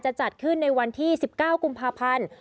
จัดขึ้นในวันที่๑๙กุมภาพันธ์